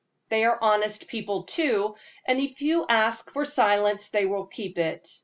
They are honest people, too, and if you ask for silence they will keep it.